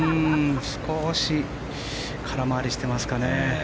少し空回りしてますかね。